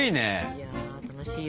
いや楽しいわ。